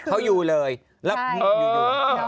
เขาอยู่เลยแล้วอยู่